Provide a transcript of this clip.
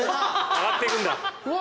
上がっていくんだ。